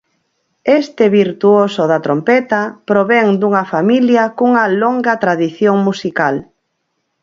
Este virtuoso da trompeta provén dunha familia cunha longa tradición musical.